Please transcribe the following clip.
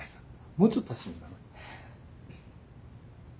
もうちょっと足してみよう。